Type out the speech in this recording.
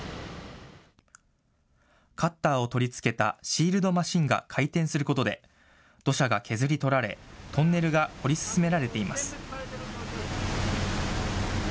カッターを取り付けたシールドマシンが回転することで土砂が削り取られトンネルが掘り進められています。